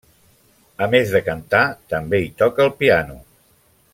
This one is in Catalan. A més de cantar, també hi toca el piano.